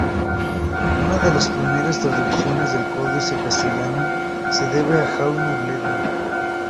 Una de las primeras traducciones del códice al castellano se debe a Jaume Bleda.